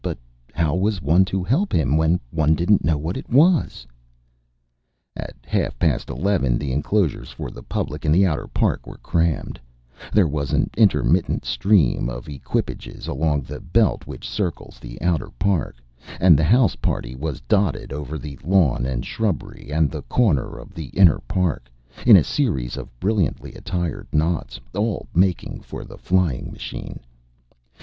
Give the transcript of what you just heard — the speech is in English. But how was one to help him when one didn't know what it was?" At half past eleven the enclosures for the public in the outer park were crammed, there was an intermittent stream of equipages along the belt which circles the outer park, and the house party was dotted over the lawn and shrubbery and the corner of the inner park, in a series of brilliantly attired knots, all making for the flying machine.